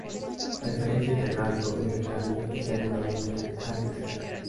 La diferencia entre canto y reclamo es de alguna manera arbitraria.